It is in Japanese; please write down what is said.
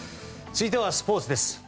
続いてはスポーツです。